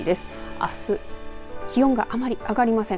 あす気温があまり上がりません。